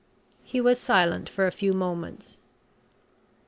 He was silent for a few moments.